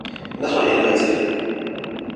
لندخل إلى المنزل.